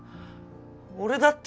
俺だって。